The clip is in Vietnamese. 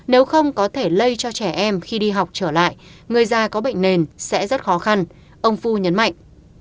nếu không có thể lây cho trẻ em khi đi học trở lại người già có bệnh nền sẽ rất khó khăn ông phu nhấn mạnh